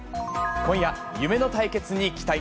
今夜、夢の対決に期待。